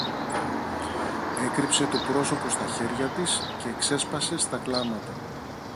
έκρυψε το πρόσωπο στα χέρια της και ξέσπασε στα κλάματα